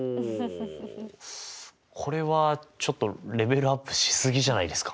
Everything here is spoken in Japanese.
これはちょっとレベルアップし過ぎじゃないですか？